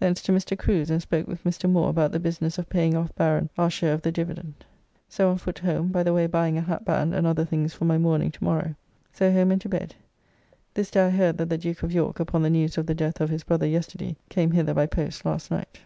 Thence to Mr. Crew's and spoke with Mr. Moore about the business of paying off Baron our share of the dividend. So on foot home, by the way buying a hat band and other things for my mourning to morrow. So home and to bed. This day I heard that the Duke of York, upon the news of the death of his brother yesterday, came hither by post last night.